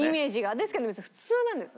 ですけど別に普通なんです。